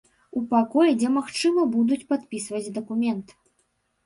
У пакой дзе магчыма будуць падпісваць дакумент.